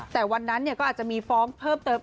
แต่วันนั้นก็อาจจะมีฟ้องเพิ่มเติม